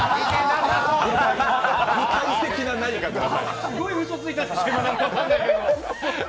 具体的な何かください！